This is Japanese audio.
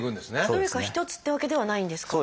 どれか一つってわけではないんですか？